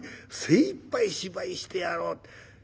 『精いっぱい芝居してやろう』。